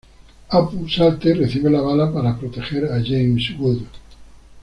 Apu salta y recibe la bala para proteger a James Wood.